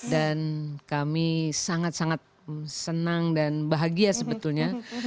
dan kami sangat sangat senang dan bahagia sebetulnya